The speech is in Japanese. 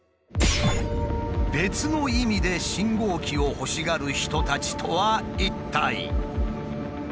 別の意味で信号機を欲しがる人たちとは一体？